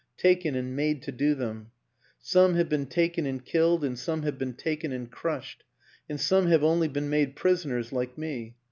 Taken and made to do them. ... Some have been taken and killed and some have been taken and crushed and some have only been made prisoners, like me.